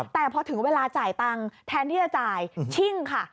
แต่พอถึงเวลาจ่ายตังค์แทนที่จะจ่ายชิ่งค่ะ